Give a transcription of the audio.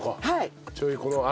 はい。